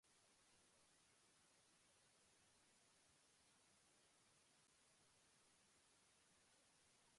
El tema es la única canción que ambos músicos compusieron juntos.